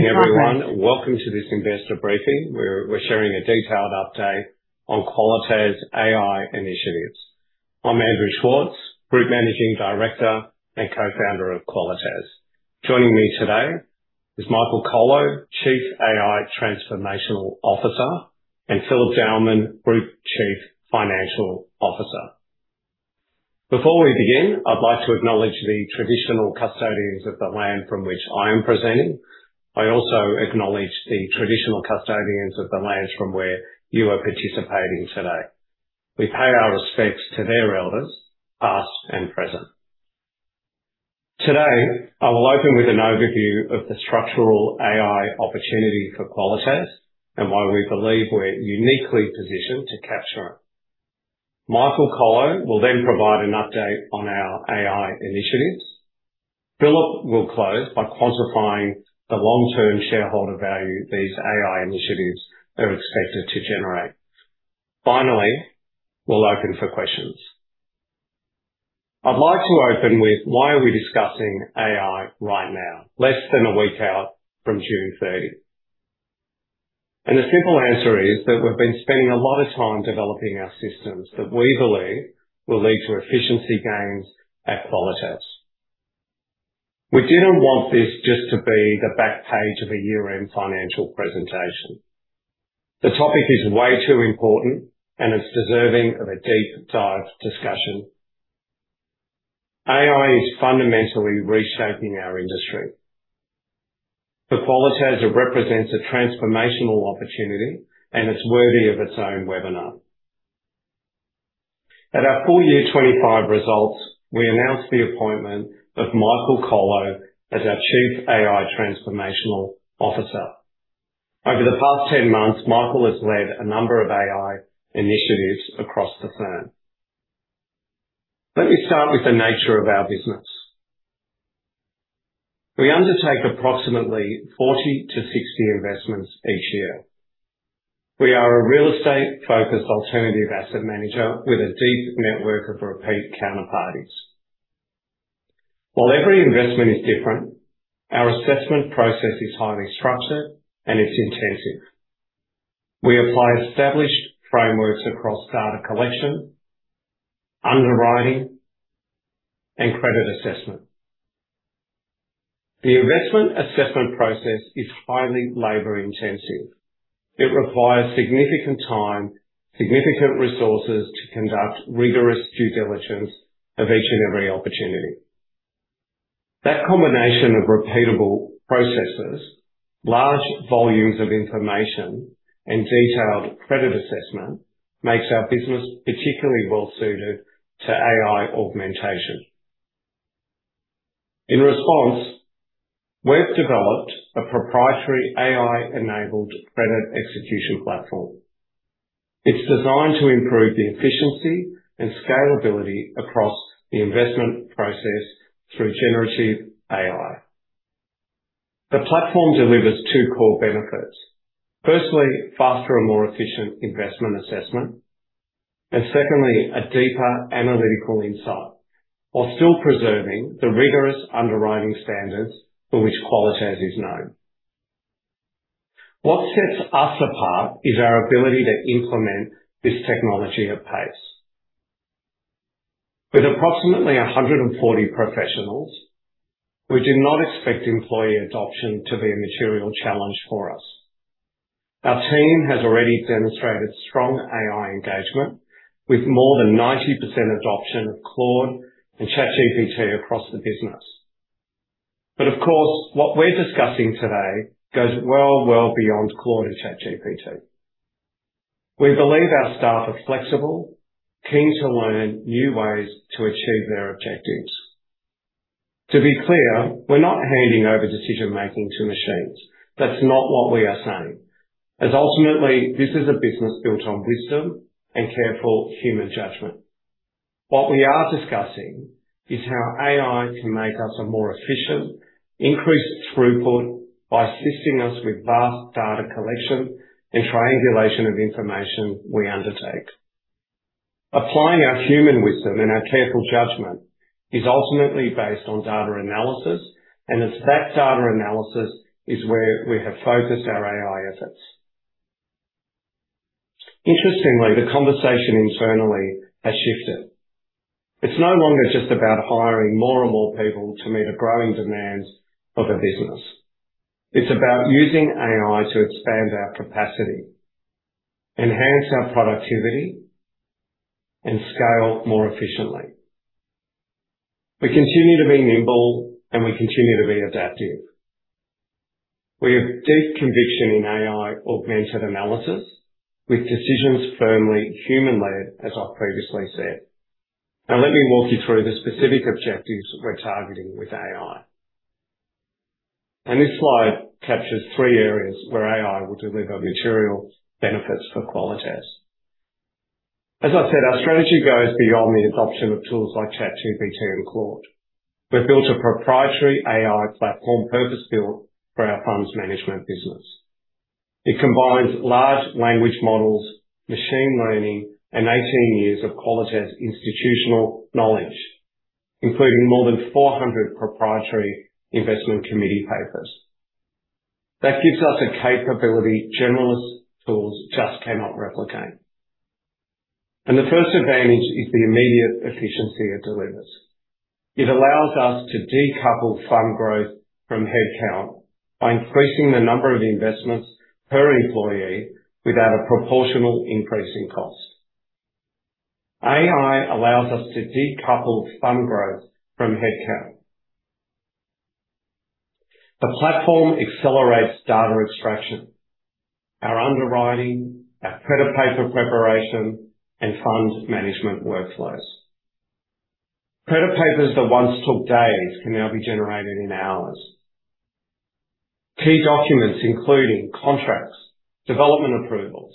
Good evening, everyone. Welcome to this investor briefing, where we're sharing a detailed update on Qualitas AI initiatives. I'm Andrew Schwartz, Group Managing Director and Co-Founder of Qualitas. Joining me today is Michael Kolo, Chief AI Transformational Officer, and Philip Dowman, Group Chief Financial Officer. Before we begin, I'd like to acknowledge the traditional custodians of the land from which I am presenting. I also acknowledge the traditional custodians of the lands from where you are participating today. We pay our respects to their elders, past and present. Today, I will open with an overview of the structural AI opportunity for Qualitas and why we believe we're uniquely positioned to capture it. Michael Kolo will then provide an update on our AI initiatives. Philip will close by quantifying the long-term shareholder value these AI initiatives are expected to generate. Finally, we'll open for questions. I'd like to open with why are we discussing AI right now, less than a week out from June 30? The simple answer is that we've been spending a lot of time developing our systems that we believe will lead to efficiency gains at Qualitas. We didn't want this just to be the back page of a year-end financial presentation. The topic is way too important, and it's deserving of a deep dive discussion. AI is fundamentally reshaping our industry. For Qualitas, it represents a transformational opportunity, and it's worthy of its own webinar. At our FY 2025 results, we announced the appointment of Michael Kolo as our Chief AI Transformational Officer. Over the past 10 months, Michael has led a number of AI initiatives across the firm. Let me start with the nature of our business. We undertake approximately 40 to 60 investments each year. We are a real estate-focused alternative asset manager with a deep network of repeat counterparties. While every investment is different, our assessment process is highly structured, and it's intensive. We apply established frameworks across data collection, underwriting, and credit assessment. The investment assessment process is highly labor-intensive. It requires significant time, significant resources to conduct rigorous due diligence of each and every opportunity. That combination of repeatable processes, large volumes of information, and detailed credit assessment makes our business particularly well-suited to AI augmentation. In response, we've developed a proprietary AI-enabled credit execution platform. It's designed to improve the efficiency and scalability across the investment process through generative AI. The platform delivers two core benefits. Firstly, faster and more efficient investment assessment. Secondly, a deeper analytical insight while still preserving the rigorous underwriting standards for which Qualitas is known. What sets us apart is our ability to implement this technology at pace. With approximately 140 professionals, we do not expect employee adoption to be a material challenge for us. Our team has already demonstrated strong AI engagement with more than 90% adoption of Claude and ChatGPT across the business. Of course, what we're discussing today goes well, well beyond Claude and ChatGPT. We believe our staff are flexible, keen to learn new ways to achieve their objectives. To be clear, we're not handing over decision-making to machines. That's not what we are saying. Ultimately, this is a business built on wisdom and careful human judgment. What we are discussing is how AI can make us a more efficient, increased throughput by assisting us with vast data collection and triangulation of information we undertake. Applying our human wisdom and our careful judgment is ultimately based on data analysis, and it's that data analysis is where we have focused our AI efforts. Interestingly, the conversation internally has shifted. It's no longer just about hiring more and more people to meet a growing demand of a business. It's about using AI to expand our capacity, enhance our productivity, and scale more efficiently. We continue to be nimble, and we continue to be adaptive. We have deep conviction in AI augmented analysis with decisions firmly human-led, as I previously said. Now, let me walk you through the specific objectives we're targeting with AI. This slide captures three areas where AI will deliver material benefits for Qualitas. As I said, our strategy goes beyond the adoption of tools like ChatGPT and Claude. We've built a proprietary AI platform purpose-built for our funds management business. It combines large language models, machine learning, and 18 years of Qualitas institutional knowledge, including more than 400 proprietary investment committee papers. That gives us a capability generalist tools just cannot replicate. The first advantage is the immediate efficiency it delivers. It allows us to decouple fund growth from head count by increasing the number of investments per employee without a proportional increase in cost. AI allows us to decouple fund growth from head count. The platform accelerates data extraction. Our underwriting, our credit paper preparation, and funds management workflows. Credit papers that once took days can now be generated in hours. Key documents, including contracts, development approvals,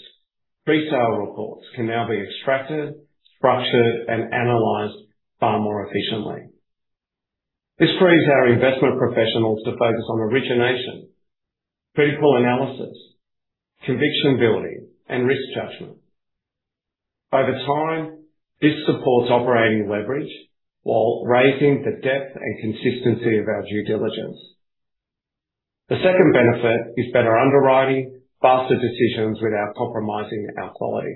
resale reports, can now be extracted, structured, and analyzed far more efficiently. This frees our investment professionals to focus on origination, critical analysis, conviction building, and risk judgment. Over time, this supports operating leverage while raising the depth and consistency of our due diligence. The second benefit is better underwriting, faster decisions without compromising our quality.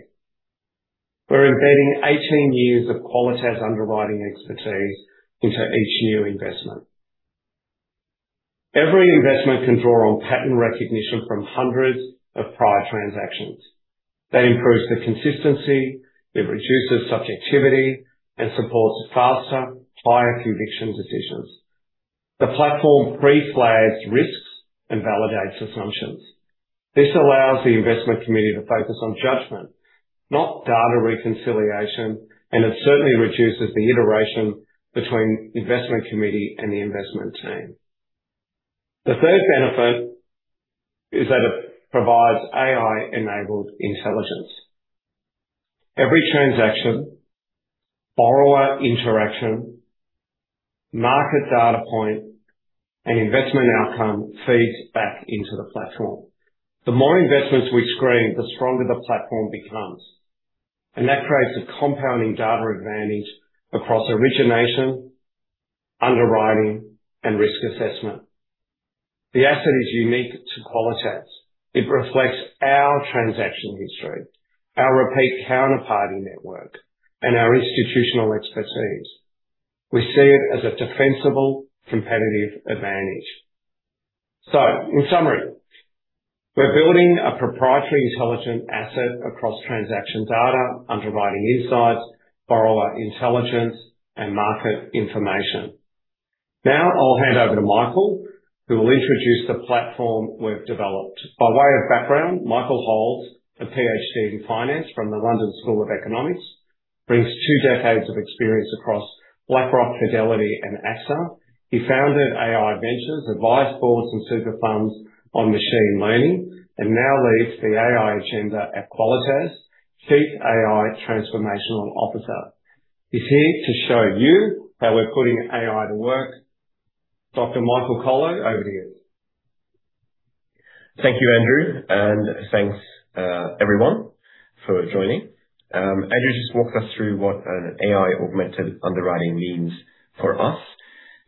We're embedding 18 years of Qualitas underwriting expertise into each new investment. Every investment can draw on pattern recognition from hundreds of prior transactions. That improves the consistency, it reduces subjectivity, and supports faster, higher conviction decisions. The platform pre-flags risks and validates assumptions. This allows the investment committee to focus on judgment, not data reconciliation, and it certainly reduces the iteration between investment committee and the investment team. The third benefit is that it provides AI-enabled intelligence. Every transaction, borrower interaction, market data point, and investment outcome feeds back into the platform. The more investments we screen, the stronger the platform becomes. That creates a compounding data advantage across origination, underwriting, and risk assessment. The asset is unique to Qualitas. It reflects our transaction history, our repeat counterparty network, and our institutional expertise. We see it as a defensible, competitive advantage. In summary, we're building a proprietary intelligent asset across transaction data, underwriting insights, borrower intelligence, and market information. Now, I'll hand over to Michael, who will introduce the platform we've developed. By way of background, Michael holds a PhD in finance from the London School of Economics, brings two decades of experience across BlackRock, Fidelity, and AXA. He founded AI Ventures, advised boards and super funds on machine learning, and now leads the AI agenda at Qualitas, Chief AI Transformational Officer. He's here to show you how we're putting AI to work. Dr. Michael Kolo, over to you. Thank you, Andrew, and thanks everyone for joining. Andrew just walked us through what an AI augmented underwriting means for us.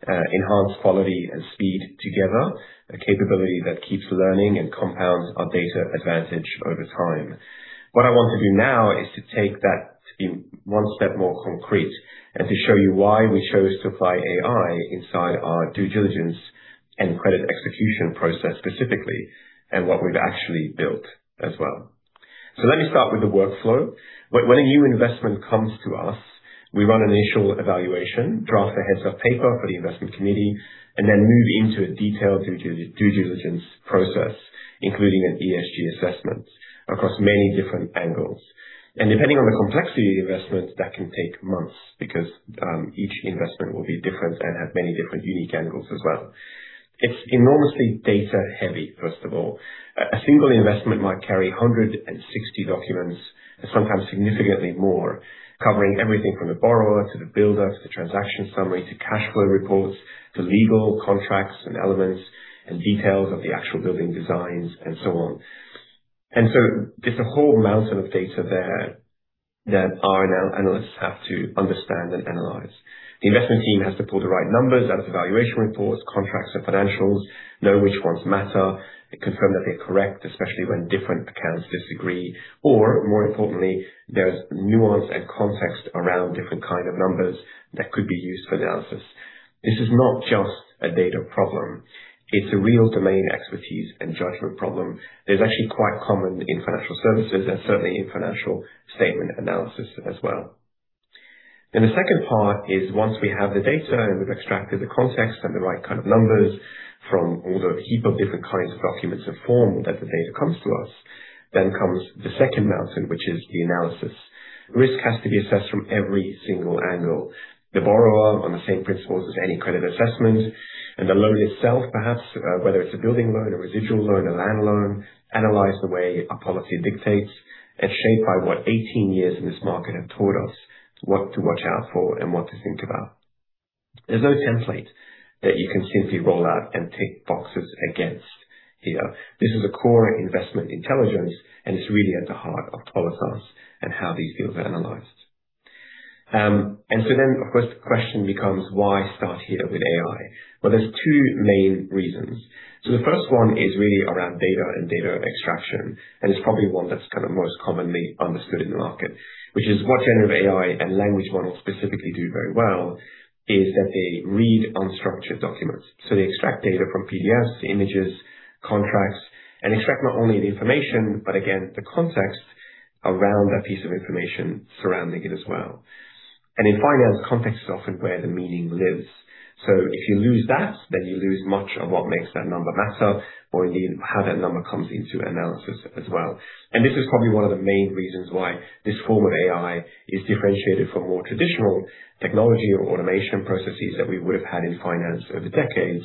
Enhanced quality and speed together, a capability that keeps learning and compounds our data advantage over time. I want to do now is to take that scheme one step more concrete, and to show you why we chose to apply AI inside our due diligence and credit execution process specifically, and what we've actually built as well. Let me start with the workflow. When a new investment comes to us, we run an initial evaluation, draft a heads-up paper for the investment committee, and then move into a detailed due diligence process, including an ESG assessment across many different angles. Depending on the complexity of the investment, that can take months because each investment will be different and have many different unique angles as well. It's enormously data-heavy, first of all. A single investment might carry 160 documents, and sometimes significantly more, covering everything from the borrower, to the builder, to the transaction summary, to cashflow reports, to legal contracts and elements, and details of the actual building designs, and so on. There's a whole mountain of data there that our analysts have to understand and analyze. The investment team has to pull the right numbers out of valuation reports, contracts, and financials, know which ones matter, and confirm that they're correct, especially when different accounts disagree, or more importantly, there's nuance and context around different kind of numbers that could be used for the analysis. This is not just a data problem. It's a real domain expertise and judgment problem. That is actually quite common in financial services and certainly in financial statement analysis as well. The second part is once we have the data and we've extracted the context and the right kind of numbers from all the heap of different kinds of documents or form that the data comes to us, comes the second mountain, which is the analysis. Risk has to be assessed from every single angle. The borrower, on the same principles as any credit assessment, and the loan itself, perhaps, whether it's a building loan, a residual loan, a land loan, analyze the way our policy dictates and shaped by what 18 years in this market have taught us what to watch out for and what to think about. There's no template that you can simply roll out and tick boxes against here. This is a core investment intelligence, and it's really at the heart of Qualitas and how these deals are analyzed. Of course, the question becomes why start here with AI? Well, there's two main reasons. The first one is really around data and data extraction, and it's probably one that's kind of most commonly understood in the market, which is what generative AI and language models specifically do very well is that they read unstructured documents. They extract data from PDFs, images, contracts, and extract not only the information but again, the context around that piece of information surrounding it as well. In finance, context is often where the meaning lives. If you lose that, you lose much of what makes that number matter or indeed how that number comes into analysis as well. This is probably one of the main reasons why this form of AI is differentiated from more traditional technology or automation processes that we would have had in finance over decades,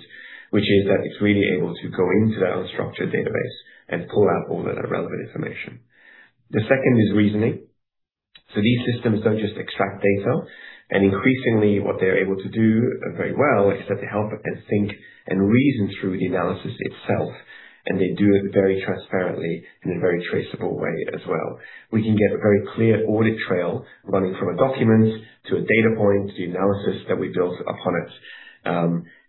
which is that it's really able to go into that unstructured database and pull out all of that relevant information. The second is reasoning. These systems don't just extract data, and increasingly what they're able to do very well is that they help and think and reason through the analysis itself, and they do it very transparently in a very traceable way as well. We can get a very clear audit trail running from a document to a data point to the analysis that we built upon it,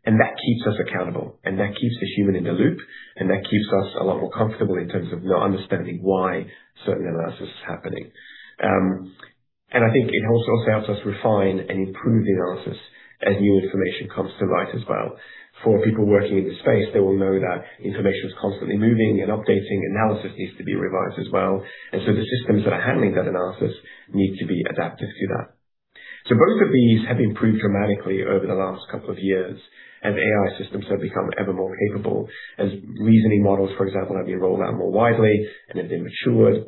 and that keeps us accountable, and that keeps the human in the loop, and that keeps us a lot more comfortable in terms of now understanding why certain analysis is happening. I think it also helps us refine and improve the analysis as new information comes to light as well. For people working in this space, they will know that information is constantly moving and updating. Analysis needs to be revised as well. The systems that are handling that analysis need to be adaptive to that. Both of these have improved dramatically over the last couple of years. AI systems have become ever more capable as reasoning models, for example, have been rolled out more widely and have been matured,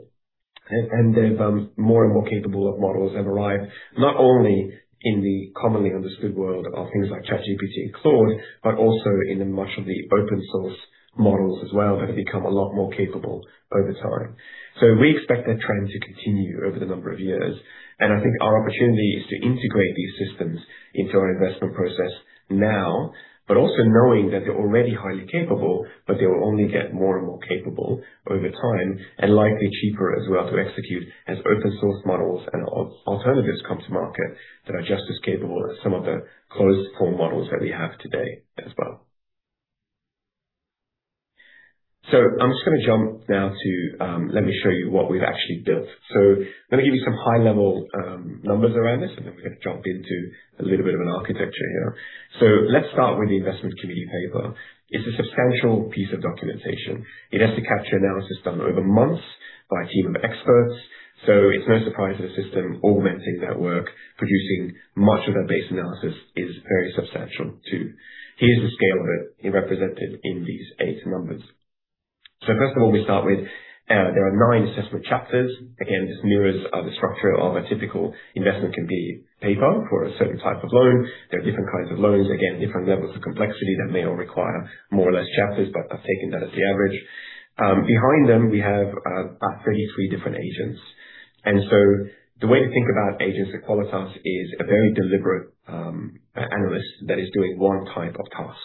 and then more and more capable models have arrived, not only in the commonly understood world of things like ChatGPT and Claude, but also in much of the open-source models as well that have become a lot more capable over time. We expect that trend to continue over the number of years, and I think our opportunity is to integrate these systems into our investment process now, but also knowing that they're already highly capable, but they will only get more and more capable over time and likely cheaper as well to execute as open-source models and alternatives come to market that are just as capable as some of the closed-form models that we have today as well. I'm just going to jump now to let me show you what we've actually built. Let me give you some high-level numbers around this, and then we're going to jump into a little bit of an architecture here. Let's start with the investment committee paper. It's a substantial piece of documentation. It has to capture analysis done over months by a team of experts. It's no surprise that a system augmenting that work, producing much of that base analysis, is very substantial too. Here's the scale of it represented in these eight numbers. First of all, we start with, there are nine assessment chapters. Again, this mirrors the structure of a typical investment committee paper for a certain type of loan. There are different kinds of loans, again, different levels of complexity that may all require more or less chapters, but I've taken that as the average. Behind them, we have about 33 different agents. The way to think about agents at Qualitas is a very deliberate analyst that is doing one type of task.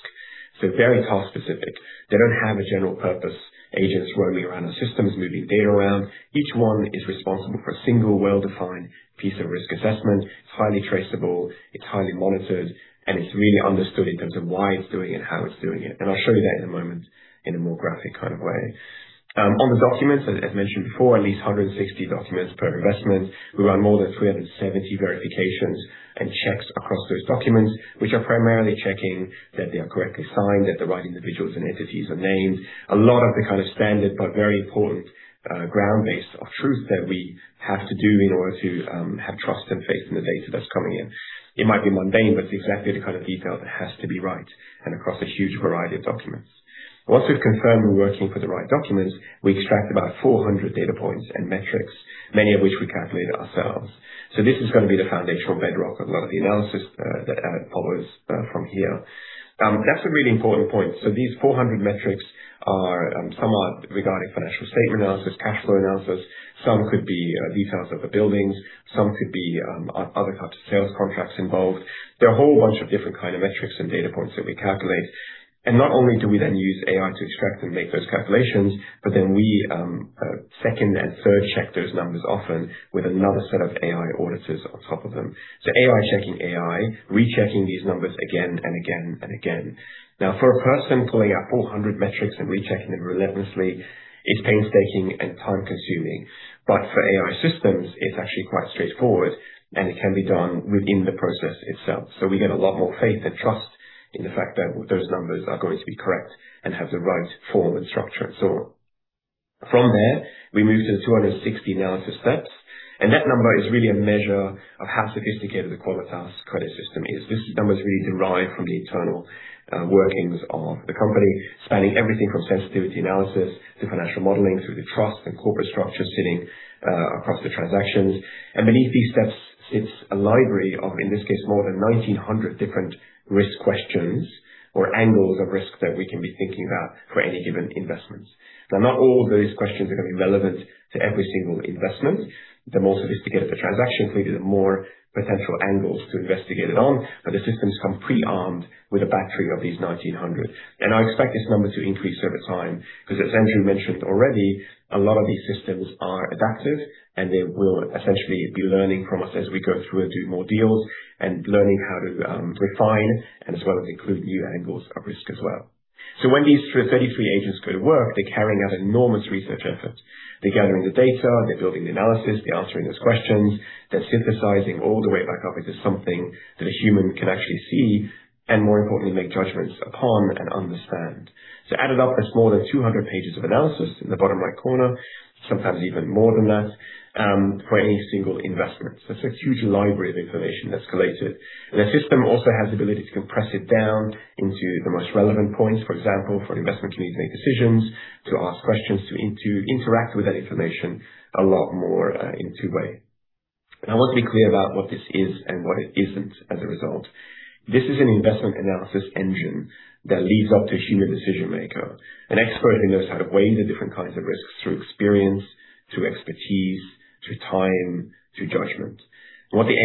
Very task-specific. They don't have a general-purpose agent roaming around our systems, moving data around. Each one is responsible for a single well-defined piece of risk assessment. It's highly traceable, it's highly monitored, and it's really understood in terms of why it's doing it and how it's doing it. I'll show you that in a moment in a more graphic kind of way. On the documents, as mentioned before, at least 160 documents per investment. We run more than 370 verifications and checks across those documents, which are primarily checking that they are correctly signed, that the right individuals and entities are named. A lot of the kind of standard but very important ground-based of truth that we have to do in order to have trust and faith in the data that's coming in. It might be mundane, but it's exactly the kind of detail that has to be right and across a huge variety of documents. Once we've confirmed we're working with the right documents, we extract about 400 data points and metrics, many of which we calculate ourselves. This is going to be the foundational bedrock of a lot of the analysis that follows from here. That's a really important point. These 400 metrics are, some are regarding financial statement analysis, cash flow analysis. Some could be details of the buildings, some could be other types of sales contracts involved. There are a whole bunch of different kind of metrics and data points that we calculate. Not only do we then use AI to extract and make those calculations, we second and third check those numbers, often with another set of AI auditors on top of them. AI checking AI, rechecking these numbers again and again and again. Now, for a person pulling out 400 metrics and rechecking them relentlessly, it's painstaking and time-consuming. For AI systems, it's actually quite straightforward, and it can be done within the process itself. We get a lot more faith and trust in the fact that those numbers are going to be correct and have the right form and structure and so on. From there, we move to 260 analysis steps, that number is really a measure of how sophisticated the Qualitas credit system is. This number is really derived from the internal workings of the company, spanning everything from sensitivity analysis to financial modeling, through the trust and corporate structure sitting across the transactions. Beneath these steps, it's a library of, in this case, more than 1,900 different risk questions or angles of risk that we can be thinking about for any given investment. Not all those questions are going to be relevant to every single investment. The more sophisticated the transaction is, the more potential angles to investigate it on. The systems come pre-armed with a battery of these 1,900. I expect this number to increase over time, because as Andrew mentioned already, a lot of these systems are adaptive and they will essentially be learning from us as we go through and do more deals and learning how to refine and as well as include new angles of risk as well. When these 33 agents go to work, they're carrying out enormous research efforts. They're gathering the data, they're building the analysis, they're answering those questions. They're synthesizing all the way back up into something that a human can actually see and more importantly, make judgments upon and understand. Added up, there's more than 200 pages of analysis in the bottom right corner, sometimes even more than that, for any single investment. It's a huge library of information that's collated. The system also has the ability to compress it down into the most relevant points. For example, for investment committees to make decisions, to ask questions, to interact with that information a lot more in a two-way. I want to be clear about what this is and what it isn't as a result. This is an investment analysis engine that leads up to a human decision maker, an expert who knows how to weigh the different kinds of risks through experience,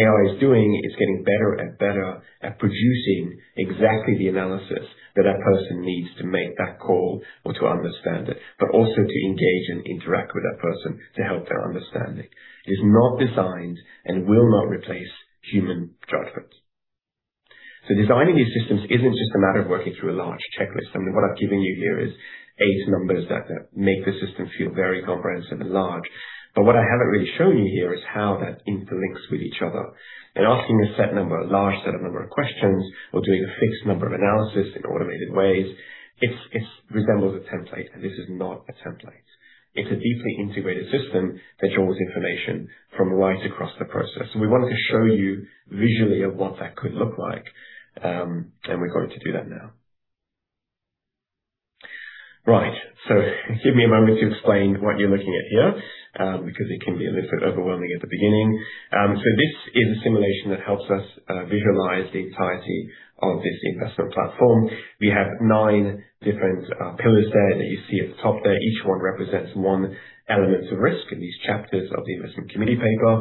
through expertise, through time, through judgment. What the AI is doing is getting better and better at producing exactly the analysis that a person needs to make that call or to understand it, but also to engage and interact with that person to help their understanding. It is not designed and will not replace human judgments. Designing these systems isn't just a matter of working through a large checklist. I mean, what I've given you here is eight numbers that make the system feel very comprehensive and large. What I haven't really shown you here is how that interlinks with each other. Asking a set number, a large set of number of questions or doing a fixed number of analysis in automated ways, it resembles a template, and this is not a template. It's a deeply integrated system that draws information from right across the process. We wanted to show you visually of what that could look like, and we're going to do that now. Right. Give me a moment to explain what you're looking at here, because it can be a little bit overwhelming at the beginning. This is a simulation that helps us visualize the entirety of this investment platform. We have nine different pillars there that you see at the top there. Each one represents one element of risk in these chapters of the investment committee paper.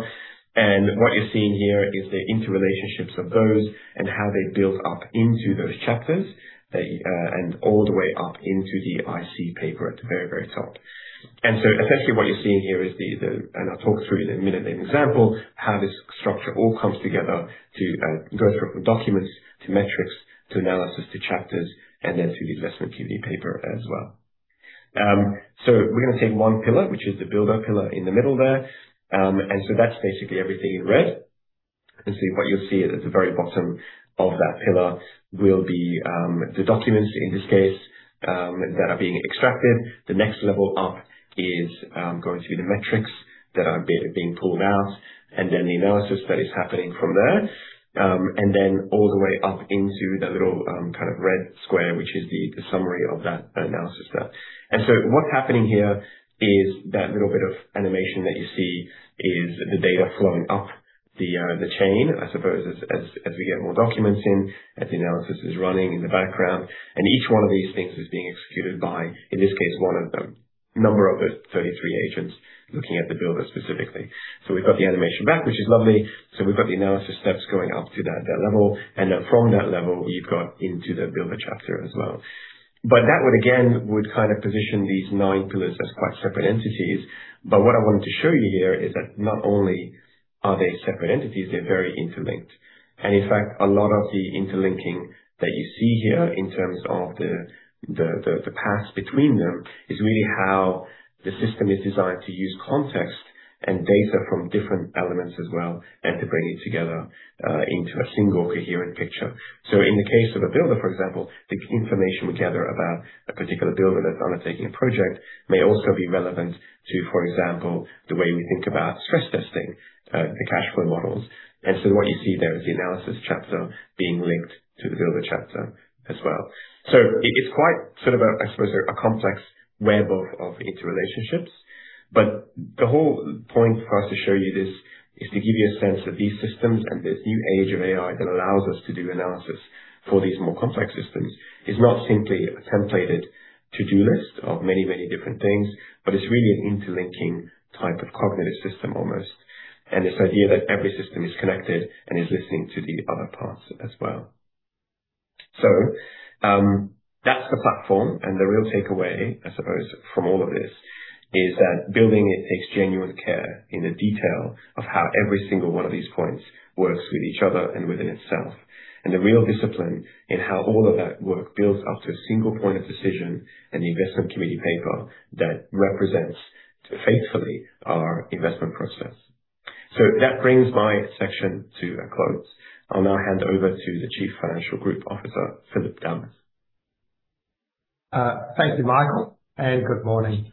What you're seeing here is the interrelationships of those and how they build up into those chapters and all the way up into the IC paper at the very, very top. Effectively, what you're seeing here is the, and I'll talk through in a minute an example, how this structure all comes together to go through from documents, to metrics, to analysis, to chapters, and then to the investment committee paper as well. We're going to take one pillar, which is the builder pillar in the middle there. That's basically everything in red. What you'll see is at the very bottom of that pillar will be the documents, in this case, that are being extracted. The next level up is going through the metrics that are being pulled out, then the analysis that is happening from there, then all the way up into that little red square, which is the summary of that analysis there. What's happening here is that little bit of animation that you see is the data flowing up the chain, I suppose, as we get more documents in, as the analysis is running in the background. Each one of these things is being executed by, in this case, one of the number of the 33 agents looking at the builder specifically. We've got the animation back, which is lovely. We've got the analysis steps going up to that level. From that level, you go up into the builder chapter as well. That would again, would position these nine pillars as quite separate entities. What I wanted to show you here is that not only are they separate entities, they're very interlinked. In fact, a lot of the interlinking that you see here in terms of the paths between them is really how the system is designed to use context and data from different elements as well, and to bring it together into a single coherent picture. In the case of a builder, for example, the information we gather about a particular builder that's undertaking a project may also be relevant to, for example, the way we think about stress testing the cash flow models. What you see there is the analysis chapter being linked to the builder chapter as well. It's quite, I suppose, a complex web of interrelationships. The whole point for us to show you this is to give you a sense that these systems and this new age of AI that allows us to do analysis for these more complex systems is not simply a templated to-do list of many, many different things, but it's really an interlinking type of cognitive system almost. This idea that every system is connected and is listening to the other parts as well. That's the platform. The real takeaway, I suppose, from all of this is that building it takes genuine care in the detail of how every single one of these points works with each other and within itself. The real discipline in how all of that work builds up to a single point of decision in the investment committee paper that represents faithfully our investment process. That brings my section to a close. I will now hand over to the Group Chief Financial Officer, Philip Dowman. Thank you, Michael, and good morning.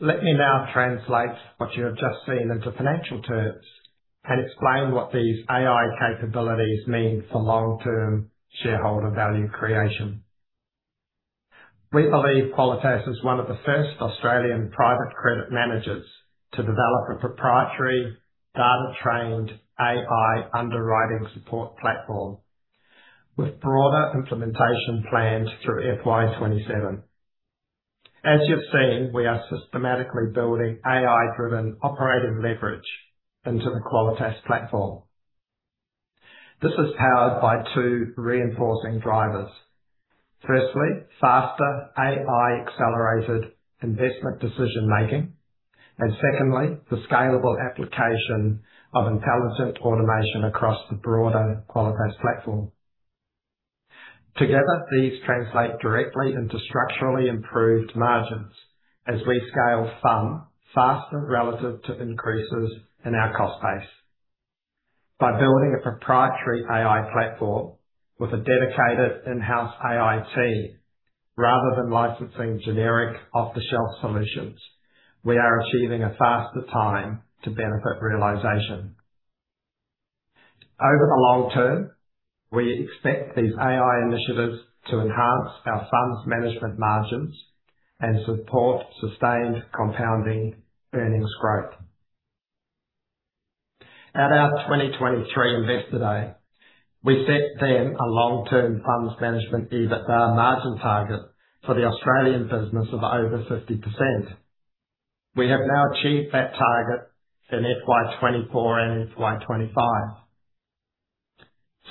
Let me now translate what you have just seen into financial terms and explain what these AI capabilities mean for long-term shareholder value creation. We believe Qualitas is one of the first Australian private credit managers to develop a proprietary data-trained AI underwriting support platform with broader implementation plans through FY 2027. As you have seen, we are systematically building AI-driven operating leverage into the Qualitas platform. This is powered by two reinforcing drivers. Firstly, faster AI-accelerated investment decision-making, and secondly, the scalable application of intelligent automation across the broader Qualitas platform. Together, these translate directly into structurally improved margins as we scale some faster relative to increases in our cost base. By building a proprietary AI platform with a dedicated in-house AI team, rather than licensing generic off-the-shelf solutions, we are achieving a faster time to benefit realization. Over the long term, we expect these AI initiatives to enhance our funds management margins and support sustained compounding earnings growth. At our 2023 Investor Day, we set then a long-term funds management EBITDA margin target for the Australian business of over 50%. We have now achieved that target in FY 2024 and FY 2025.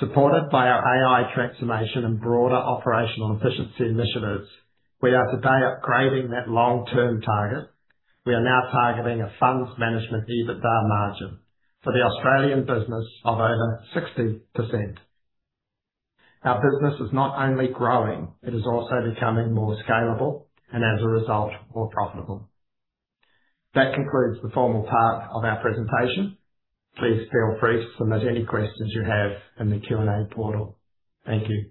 Supported by our AI transformation and broader operational efficiency initiatives, we are today upgrading that long-term target. We are now targeting a funds management EBITDA margin for the Australian business of over 60%. Our business is not only growing, it is also becoming more scalable and as a result, more profitable. That concludes the formal part of our presentation. Please feel free to submit any questions you have in the Q&A portal. Thank you.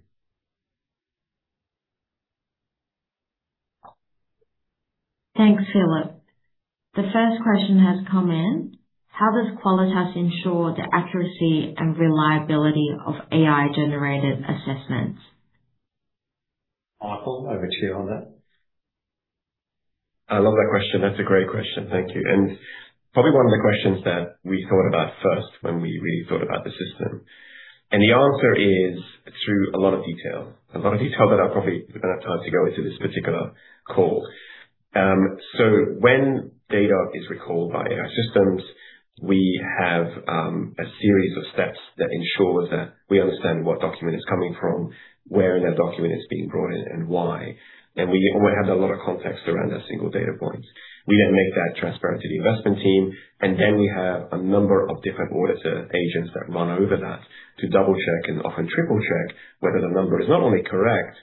Thanks, Philip. The first question has come in. How does Qualitas ensure the accuracy and reliability of AI-generated assessments? Michael, over to you on that. I love that question. That's a great question, thank you. Probably one of the questions that we thought about first when we really thought about the system. The answer is through a lot of detail. A lot of detail that I probably wouldn't have time to go into this particular call. When data is recalled by our systems, we have a series of steps that ensure that we understand what document it's coming from, where in that document it's being brought in, and why. We have a lot of context around that single data point. We then make that transparent to the investment team, and then we have a number of different audits or agents that run over that to double-check and often triple-check whether the number is not only correct,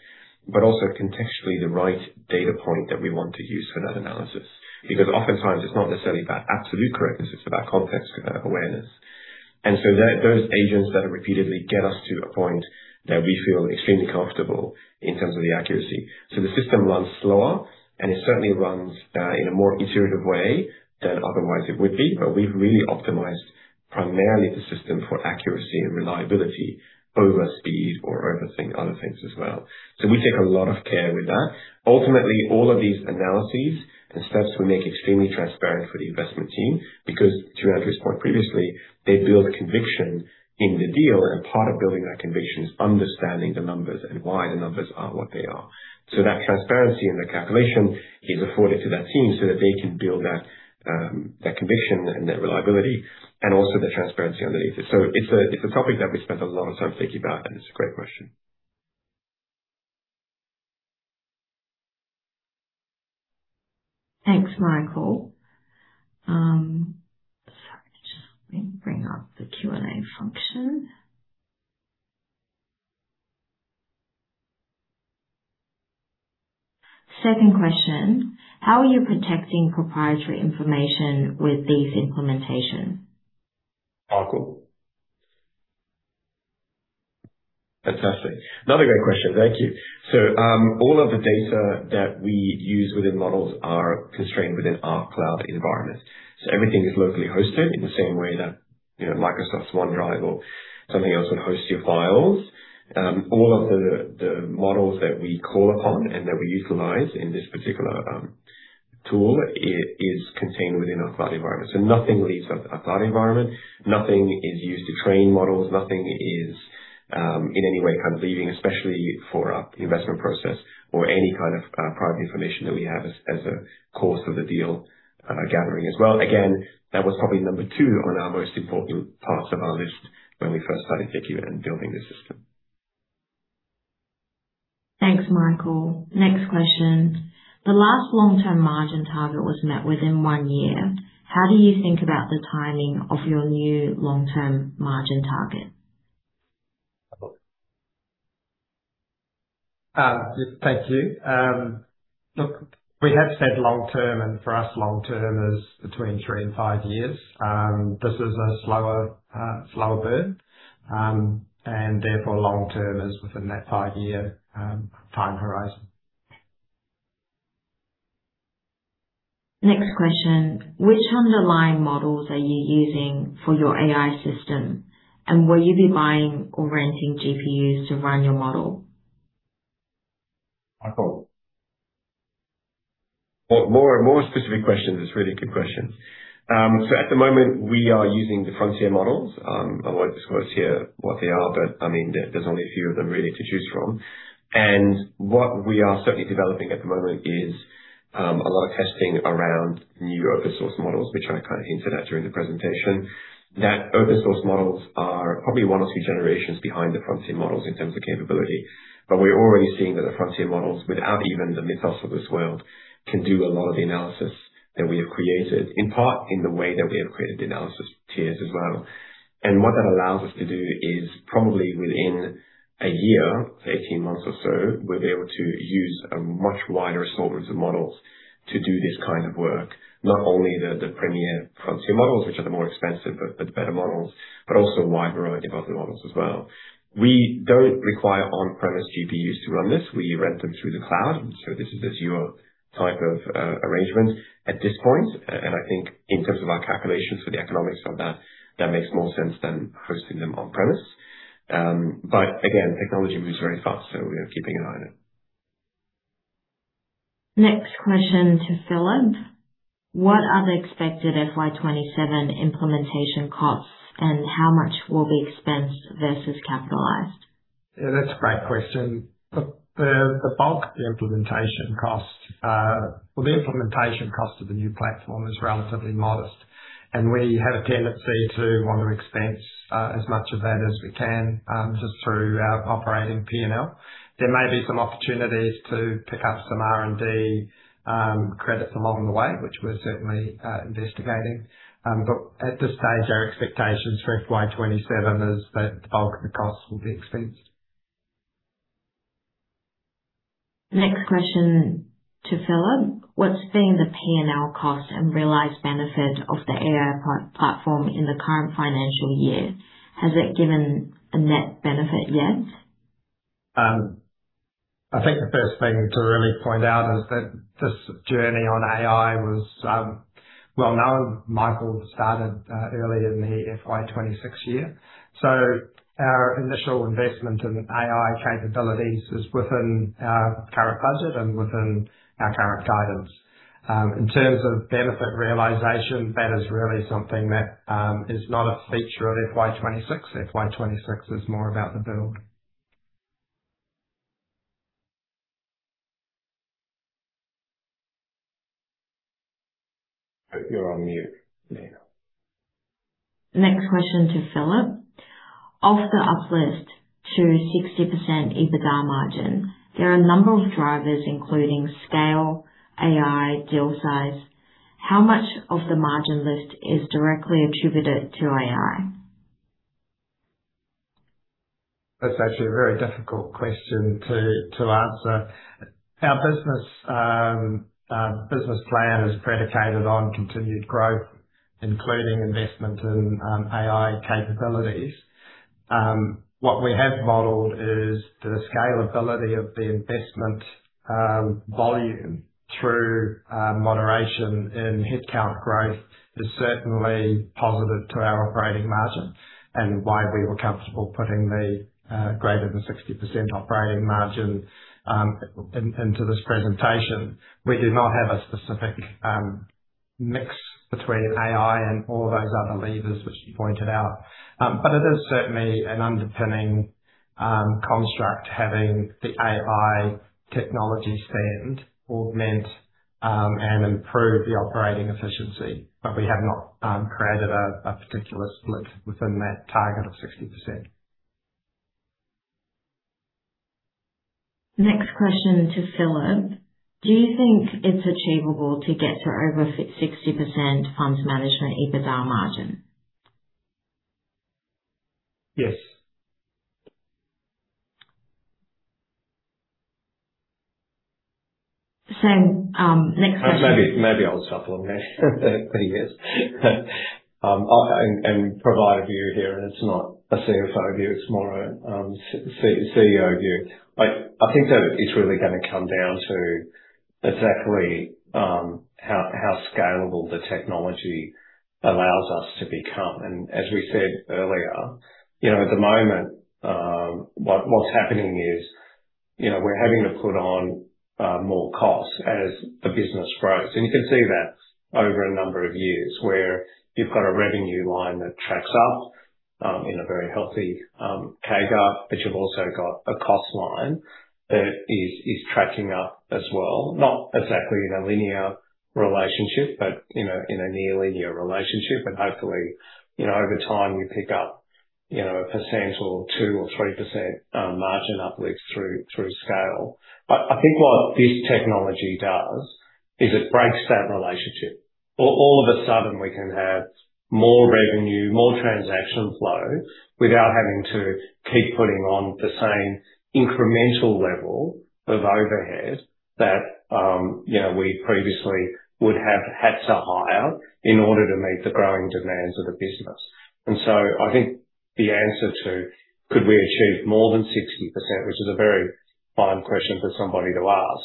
but also contextually the right data point that we want to use for that analysis. Because oftentimes it's not necessarily about absolute correctness, it's about context, it's about awareness. Those agents then repeatedly get us to a point that we feel extremely comfortable in terms of the accuracy. The system runs slower, and it certainly runs in a more iterative way than otherwise it would be. We've really optimized primarily the system for accuracy and reliability over speed or over other things as well. We take a lot of care with that. Ultimately, all of these analyses and steps we make extremely transparent for the investment team because to Andrew's point previously, they build conviction in the deal and part of building that conviction is understanding the numbers and why the numbers are what they are. That transparency and that calculation is afforded to that team so that they can build that conviction and that reliability and also the transparency underneath it. It's a topic that we spent a lot of time thinking about, and it's a great question. Thanks, Michael. Just let me bring up the Q&A function. Second question, how are you protecting proprietary information with these implementations? Michael. Fantastic. Another great question. Thank you. All of the data that we use within models are constrained within our cloud environment. Everything is locally hosted in the same way that Microsoft's OneDrive or something else would host your files. All of the models that we call upon and that we utilize in this particular tool is contained within our cloud environment. Nothing leaves our cloud environment. Nothing is used to train models. Nothing is in any way leaving, especially for our investment process or any kind of private information that we have as a course of the deal gathering as well. Again, that was probably number two on our most important parts of our list when we first started thinking and building this system. Thanks, Michael. Next question. The last long-term margin target was met within one year. How do you think about the timing of your new long-term margin target? Thank you. We have said long term, for us, long term is between three and five years. This is a slower bird, therefore long term is within that five-year time horizon. Next question. Which underlying models are you using for your AI system? Will you be buying or renting GPUs to run your model? Michael. More specific questions. It's a really good question. At the moment, we are using the frontier models. I won't disclose here what they are, but there's only a few of them really to choose from. What we are certainly developing at the moment is, a lot of testing around new open source models, which I kind of hinted at during the presentation. That open source models are probably one or two generations behind the frontier models in terms of capability. We're already seeing that the frontier models, without even the Mistral of this world, can do a lot of the analysis that we have created, in part in the way that we have created the analysis tiers as well. What that allows us to do is probably within a year, 18 months or so, we'll be able to use a much wider assortment of models to do this kind of work. Not only the premier frontier models, which are the more expensive but the better models, but also a wide variety of other models as well. We don't require on-premise GPUs to run this. We rent them through the cloud. This is a Azure type of arrangement at this point. I think in terms of our calculations for the economics of that makes more sense than hosting them on-premise. Again, technology moves very fast, we are keeping an eye on it. Next question to Philip. What are the expected FY 2027 implementation costs, and how much will be expensed versus capitalized? That's a great question. The bulk of the implementation cost, the implementation cost of the new platform is relatively modest. We have a tendency to want to expense as much of that as we can, just through our operating P&L. There may be some opportunities to pick up some R&D credits along the way, which we're certainly investigating. At this stage, our expectations for FY 2027 is that the bulk of the costs will be expensed. Next question to Philip. What's been the P&L cost and realized benefit of the AI platform in the current financial year? Has it given a net benefit yet? I think the first thing to really point out is that this journey on AI was well known. Michael started early in the FY 2026 year. Our initial investment in AI capabilities is within our current budget and within our current guidance. In terms of benefit realization, that is really something that is not a feature of FY 2026. FY 2026 is more about the build. You're on mute now. Next question to Philip. Of the uplift to 60% EBITDA margin, there are a number of drivers, including scale, AI, deal size. How much of the margin lift is directly attributed to AI? That's actually a very difficult question to answer. Our business plan is predicated on continued growth, including investment in AI capabilities. What we have modeled is the scalability of the investment volume through moderation in headcount growth is certainly positive to our operating margin and why we were comfortable putting the greater than 60% operating margin into this presentation. We do not have a specific mix between AI and all those other levers which you pointed out. It is certainly an underpinning construct having the AI technology stand, augment, and improve the operating efficiency. We have not created a particular split within that target of 60%. Next question to Philip. Do you think it's achievable to get to over 60% funds management EBITDA margin? Yes. Same, next question. Maybe I'll start along that for years and provide a view here. It's not a CFO view, it's more a CEO view. I think that it's really going to come down to exactly how scalable the technology allows us to become. As we said earlier, at the moment, what's happening is we're having to put on more costs as the business grows. You can see that over a number of years, where you've got a revenue line that tracks up in a very healthy CAGR, but you've also got a cost line that is tracking up as well. Not exactly in a linear relationship, but in a near linear relationship. Hopefully, over time, you pick up a percent or 2% or 3% margin uplift through scale. I think what this technology does is it breaks that relationship. All of a sudden, we can have more revenue, more transaction flow, without having to keep putting on the same incremental level of overhead that we previously would have had to hire in order to meet the growing demands of the business. I think the answer to could we achieve more than 60%, which is a very fine question for somebody to ask,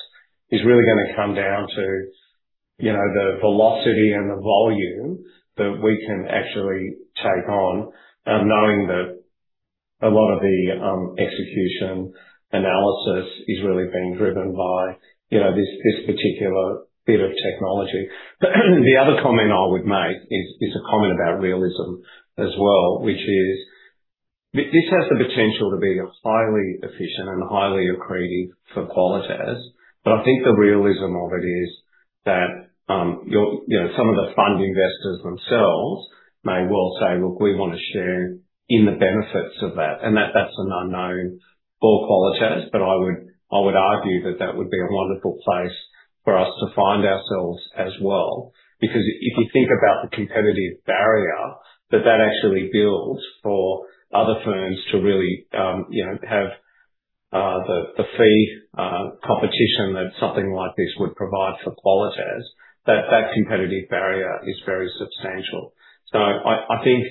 is really going to come down to the velocity and the volume that we can actually take on, knowing that a lot of the execution analysis is really being driven by this particular bit of technology. The other comment I would make is a comment about realism as well, which is, this has the potential to be highly efficient and highly accretive for Qualitas. I think the realism of it is that some of the fund investors themselves may well say, "Look, we want a share in the benefits of that." That's an unknown for Qualitas. I would argue that that would be a wonderful place for us to find ourselves as well. Because if you think about the competitive barrier that that actually builds for other firms to really have the fee competition that something like this would provide for Qualitas, that competitive barrier is very substantial. I think,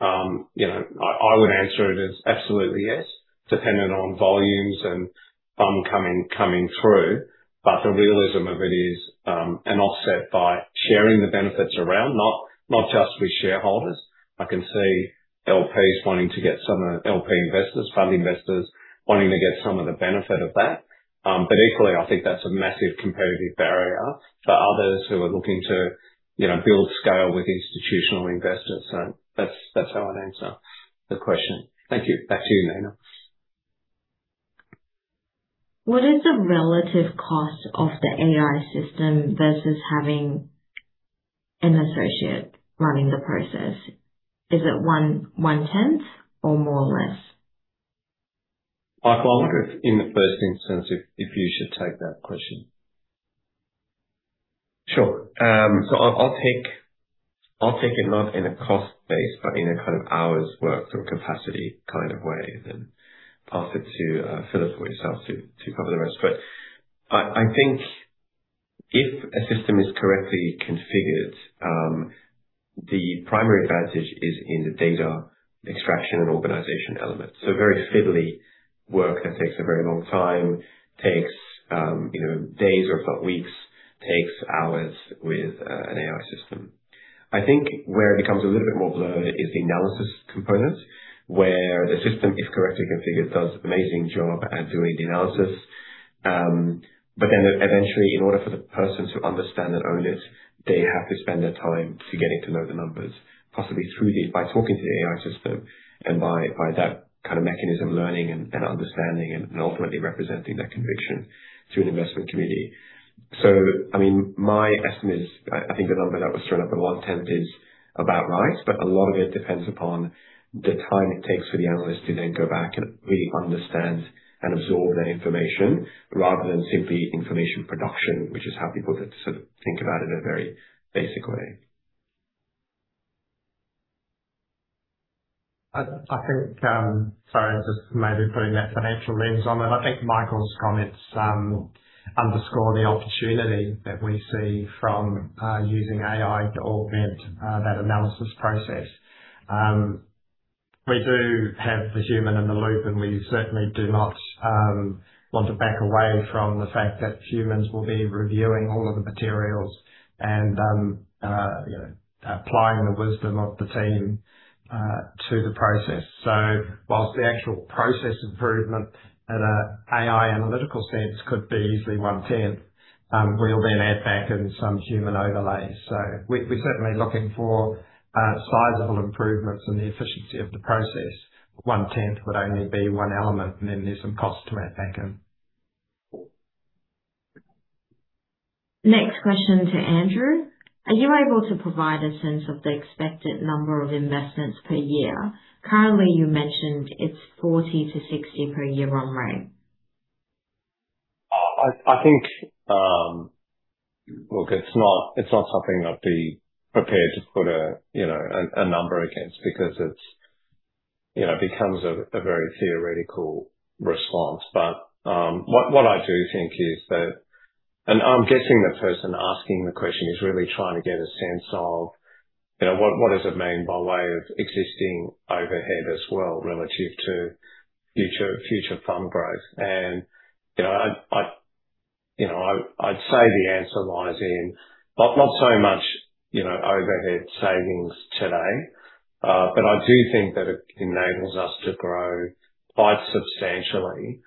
I would answer it as absolutely yes, dependent on volumes and fund coming through. The realism of it is an offset by sharing the benefits around, not just with shareholders. I can see LPs wanting to get some of the LP investors, fund investors wanting to get some of the benefit of that. Equally, I think that's a massive competitive barrier for others who are looking to build scale with institutional investors. That's how I'd answer the question. Thank you. Back to you, Nina. What is the relative cost of the AI system versus having an associate running the process? Is it one-tenth or more or less? Michael, I wonder if in the first instance, if you should take that question. Sure. I'll take it not in a cost base, but in a kind of hours worked or capacity kind of way, then pass it to Philip or yourself to cover the rest. I think if a system is correctly configured, the primary advantage is in the data extraction and organization element. Very fiddly work that takes a very long time, takes days or weeks, takes hours with an AI system. I think where it becomes a little bit more blurred is the analysis component, where the system, if correctly configured, does amazing job at doing the analysis. Eventually, in order for the person to understand and own it, they have to spend the time to getting to know the numbers, possibly by talking to the AI system and by that kind of mechanism, learning and understanding and ultimately representing that conviction to an investment committee. My estimate is, I think the number that was thrown up of one-tenth is about right, a lot of it depends upon the time it takes for the analyst to then go back and really understand and absorb that information rather than simply information production, which is how people sort of think about it in a very basic way. I think, sorry, just maybe putting that financial lens on it. I think Michael's comments underscore the opportunity that we see from using AI to augment that analysis process. We do have the human in the loop, and we certainly do not want to back away from the fact that humans will be reviewing all of the materials and applying the wisdom of the team to the process. Whilst the actual process improvement at an AI analytical sense could be easily one-tenth, we'll then add back in some human overlay. We're certainly looking for sizable improvements in the effiiency of the process. One-tenth would only be one element, and then there's some cost to add back in. Next question to Andrew. Are you able to provide a sense of the expected number of investments per year? Currently, you mentioned it's 40-60 per year run rate. I think, look, it's not something I'd be prepared to put a number against because it becomes a very theoretical response. What I do think is that, and I'm guessing the person asking the question is really trying to get a sense of what does it mean by way of existing overhead as well, relative to future fund growth. I'd say the answer lies in not so much overhead savings today, but I do think that it enables us to grow quite substantially.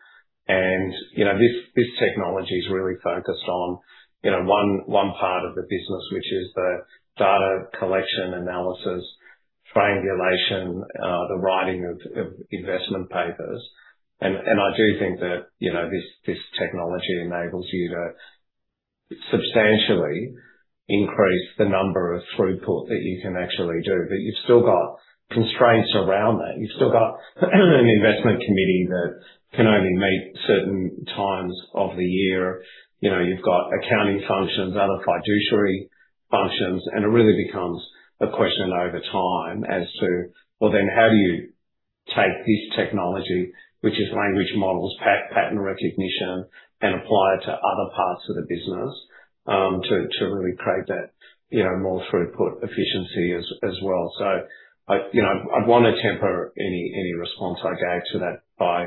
This technology is really focused on one part of the business, which is the data collection analysis, triangulation, the writing of investment papers. I do think that this technology enables you to substantially increase the number of throughput that you can actually do. You've still got constraints around that. You've still got an investment committee that can only meet certain times of the year. You've got accounting functions, other fiduciary functions, it really becomes a question over time as to, well, then how do you take this technology, which is language models, pattern recognition, and apply it to other parts of the business, to really create that more throughput efficiency as well. I'd want to temper any response I gave to that by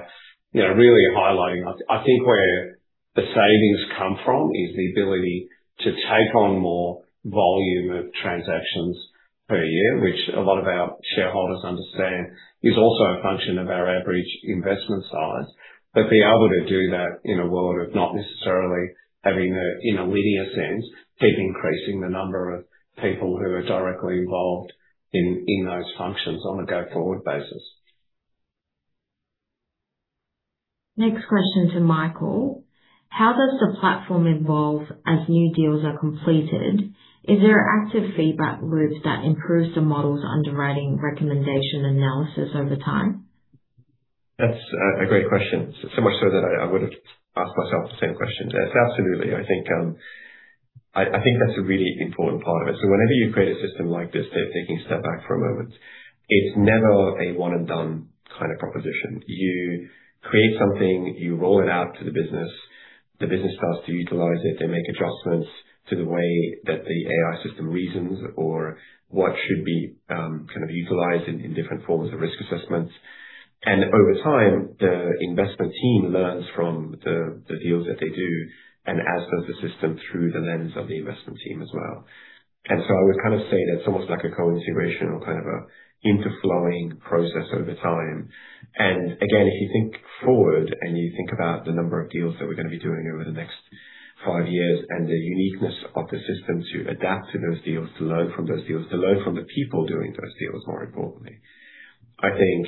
really highlighting, I think where the savings come from is the ability to take on more volume of transactions per year, which a lot of our shareholders understand is also a function of our average investment size. Be able to do that in a world of not necessarily having a, in a linear sense, keep increasing the number of people who are directly involved in those functions on a go-forward basis. Next question to Michael. How does the platform evolve as new deals are completed? Is there active feedback loops that improves the model's underwriting recommendation analysis over time? That's a great question. So much so that I would've asked myself the same question. Yes, absolutely. I think that's a really important part of it. Whenever you create a system like this, taking a step back for a moment, it's never a one-and-done kind of proposition. You create something, you roll it out to the business, the business starts to utilize it. They make adjustments to the way that the AI system reasons or what should be utilized in different forms of risk assessments. Over time, the investment team learns from the deals that they do and as does the system through the lens of the investment team as well. I would say that it's almost like a co-integrational kind of a interflowing process over time. Again, if you think forward and you think about the number of deals that we're going to be doing over the next five years, and the uniqueness of the system to adapt to those deals, to learn from those deals, to learn from the people doing those deals, more importantly. I think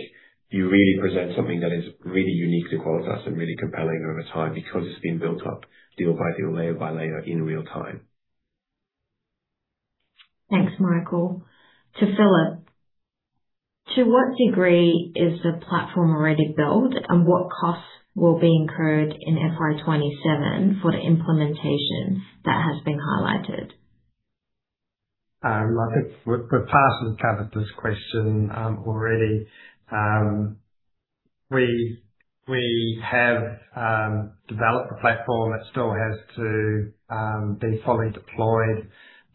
you really present something that is really unique to Qualitas and really compelling over time because it's been built up deal by deal, layer by layer in real-time. Thanks, Michael. To Philip. To what degree is the platform already built, and what costs will be incurred in FY 2027 for the implementation that has been highlighted? I think we've partially covered this question already. We have developed a platform that still has to be fully deployed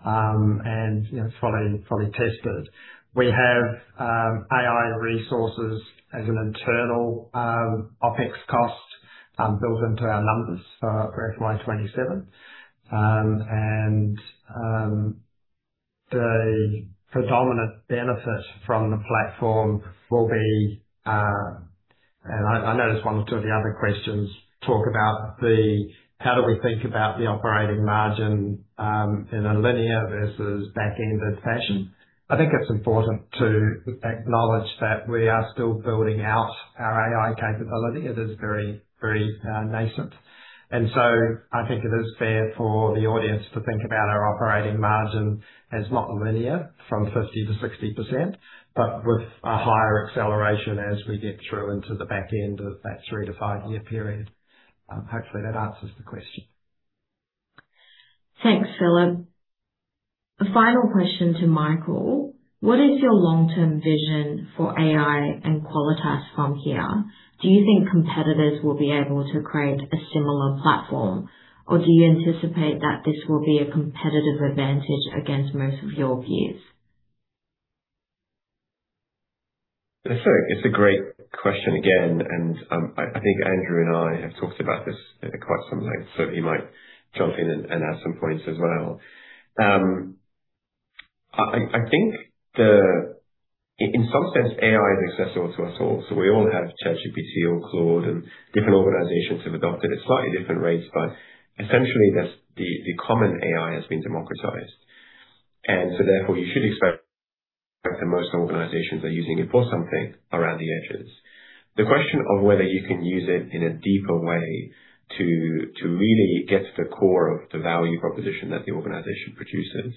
and fully tested. We have AI resources as an internal OpEx cost built into our numbers for FY 2027. The predominant benefit from the platform will be, and I noticed one or two of the other questions talk about the, how do we think about the operating margin, in a linear versus back-ended fashion. I think it's important to acknowledge that we are still building out our AI capability. It is very nascent. I think it is fair for the audience to think about our operating margin as not linear from 50%-60%, but with a higher acceleration as we get through into the back end of that three to five-year period. Hopefully, that answers the question. Thanks, Philip. The final question to Michael. What is your long-term vision for AI and Qualitas from here? Do you think competitors will be able to create a similar platform, or do you anticipate that this will be a competitive advantage against most of your peers? It's a great question again, and I think Andrew and I have talked about this at quite some length, so he might jump in and add some points as well. I think, in some sense, AI is accessible to us all. We all have ChatGPT or Claude, and different organizations have adopted at slightly different rates, but essentially, the common AI has been democratized. Therefore, you should expect that most organizations are using it for something around the edges. The question of whether you can use it in a deeper way to really get to the core of the value proposition that the organization produces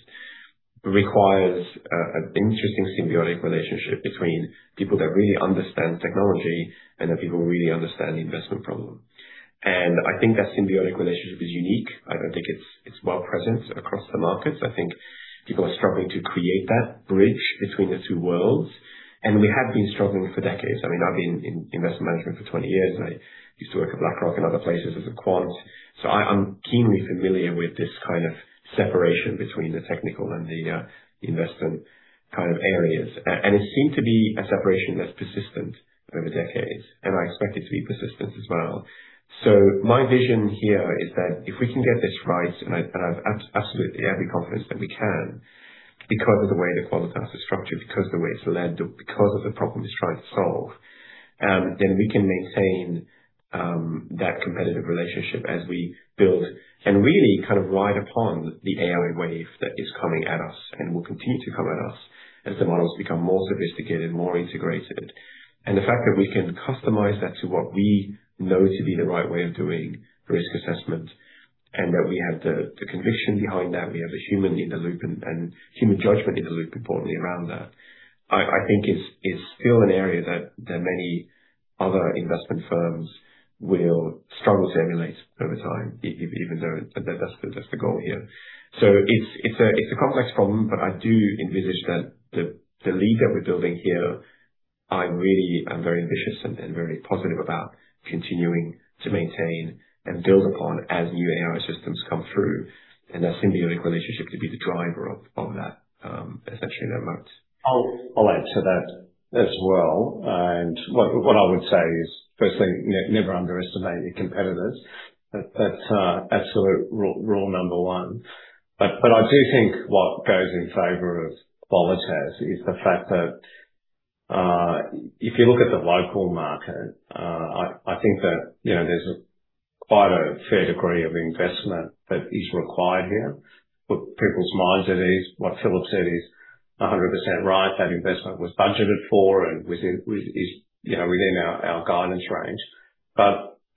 requires an interesting symbiotic relationship between people that really understand technology and the people who really understand the investment problem. I think that symbiotic relationship is unique. I don't think it's well present across the markets. I think people are struggling to create that bridge between the two worlds, we have been struggling for decades. I've been in investment management for 20 years. I used to work at BlackRock and other places as a quant. I'm keenly familiar with this kind of separation between the technical and the investment kind of areas. It seemed to be a separation that's persistent over decades, I expect it to be persistent as well. My vision here is that if we can get this right, I have absolutely every confidence that we can, because of the way that Qualitas is structured, because of the way it's led, because of the problem it's trying to solve. Then we can maintain that competitive relationship as we build and really ride upon the AI wave that is coming at us and will continue to come at us as the models become more sophisticated, more integrated. The fact that we can customize that to what we know to be the right way of doing risk assessment, that we have the conviction behind that, we have a human in the loop and human judgment in the loop importantly around that, I think is still an area that many other investment firms will struggle to emulate over time, even though that's the goal here. It's a complex problem, but I do envisage that the lead that we're building here I really am very ambitious and very positive about continuing to maintain and build upon as new AI systems come through and that symbiotic relationship to be the driver of that, essentially in our moat. I'll add to that as well. What I would say is, firstly, never underestimate your competitors. That's absolute rule number 1. I do think what goes in favor of Qualitas is the fact that, if you look at the local market, I think that there's quite a fair degree of investment that is required here. Put people's minds at ease. What Philip said is 100% right. That investment was budgeted for and within our guidance range.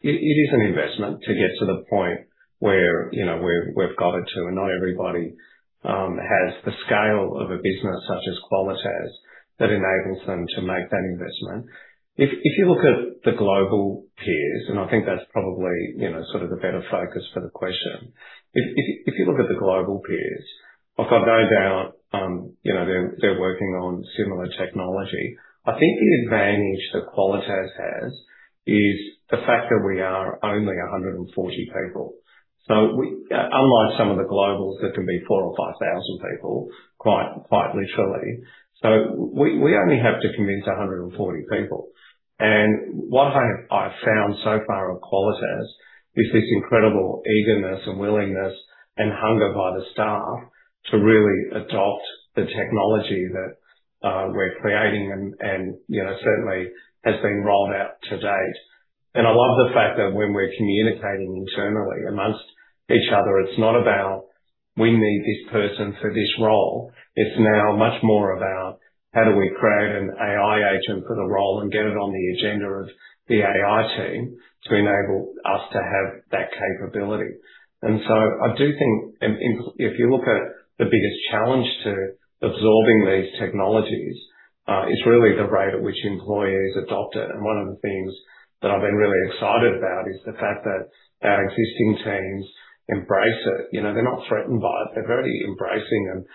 It is an investment to get to the point where we've got it to, not everybody has the scale of a business such as Qualitas that enables them to make that investment. If you look at the global peers, I think that's probably the better focus for the question. If you look at the global peers, I've no doubt they're working on similar technology. I think the advantage that Qualitas has, is the fact that we are only 140 people. Unlike some of the globals that can be 4,000 or 5,000 people, quite literally. We only have to convince 140 people. What I have found so far on Qualitas is this incredible eagerness and willingness and hunger by the staff to really adopt the technology that we're creating and certainly has been rolled out to date. I love the fact that when we're communicating internally amongst each other, it's not about, "We need this person for this role." It's now much more about how do we create an AI agent for the role and get it on the agenda of the AI team to enable us to have that capability. I do think if you look at the biggest challenge to absorbing these technologies, it's really the rate at which employees adopt it. One of the things that I've been really excited about is the fact that our existing teams embrace it. They're not threatened by it. They're very embracing and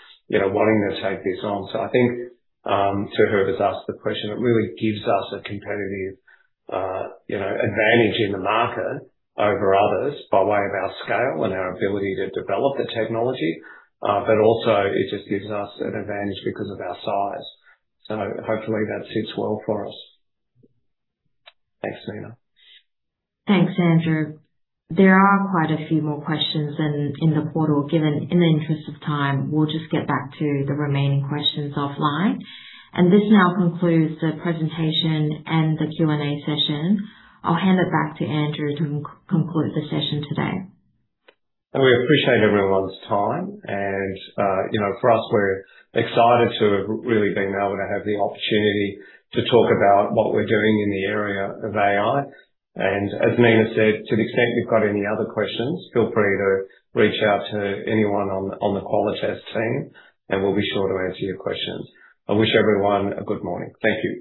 wanting to take this on. I think, to whoever's asked the question, it really gives us a competitive advantage in the market over others by way of our scale and our ability to develop the technology. Also it just gives us an advantage because of our size. Hopefully that suits well for us. Thanks, Nina. Thanks, Andrew. There are quite a few more questions in the portal. Given in the interest of time, we'll just get back to the remaining questions offline. This now concludes the presentation and the Q&A session. I'll hand it back to Andrew to conclude the session today. We appreciate everyone's time. For us, we're excited to have really been able to have the opportunity to talk about what we're doing in the area of AI. As Nina said, to the extent you've got any other questions, feel free to reach out to anyone on the Qualitas team, and we'll be sure to answer your questions. I wish everyone a good morning. Thank you.